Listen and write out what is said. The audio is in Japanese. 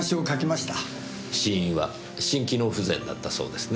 死因は心機能不全だったそうですね？